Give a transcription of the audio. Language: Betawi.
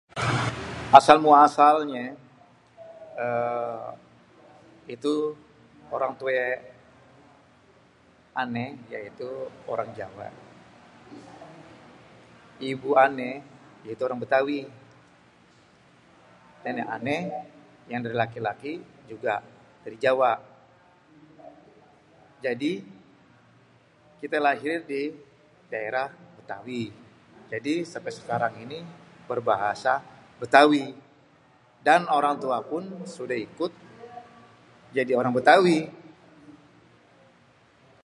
Asal muasalnyé uhm itu orang tue (bapak) ané yaitu orang Jawa. Ibu ané yaitu orang Bétawi, nenek ané yang dari laki-laki juga dari Jawa. Jadi kita lahir di daerah Bétawi, jadi sampe sekarang ini berbahasa Bétawi, dan orang tua pun sudah ikut jadi orang Bétawi.